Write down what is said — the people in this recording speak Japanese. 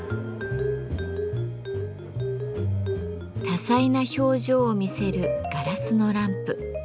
多彩な表情を見せるガラスのランプ。